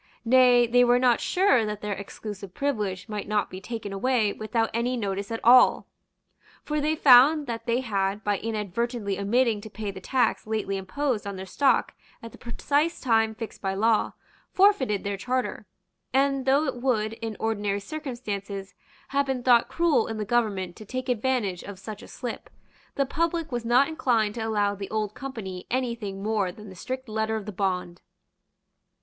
Nay, they were not sure that their exclusive privilege might not be taken away without any notice at all; for they found that they had, by inadvertently omitting to pay the tax lately imposed on their stock at the precise time fixed by law, forfeited their Charter; and, though it would, in ordinary circumstances, have been thought cruel in the government to take advantage of such a slip, the public was not inclined to allow the Old Company any thing more than the strict letter of the bond.